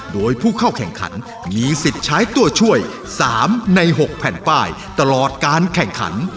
โดยผู้เข้าแข่งขันมีสิทธิ์ใช้ตัวช่วย๓ใน๖แผ่นป้ายตลอดการแข่งขัน